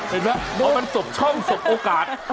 เห็นไหมพอมันสบช่องสบโอกาส